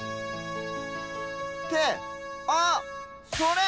ってあっそれ！